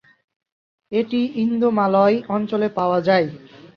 এটি ইন্দোমালয় অঞ্চলে পাওয়া যায়।